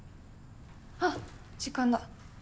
あ時間だ。